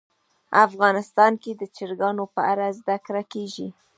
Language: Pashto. افغانستان کې د چرګان په اړه زده کړه کېږي.